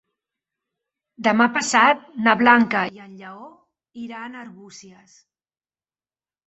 Demà passat na Blanca i en Lleó iran a Arbúcies.